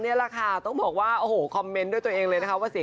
อีกทีขอเสียงอีกที